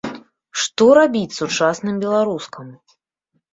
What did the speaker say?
Што рабіць сучасным беларускам?